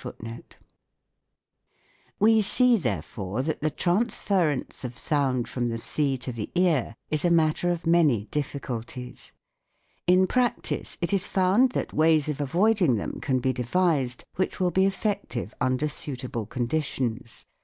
1 We see, therefore, that the transference of sound from the sea to the ear is a matter of many diffi culties. In practice it is found that ways of avoiding them can be devised which will be effective under suitable conditions.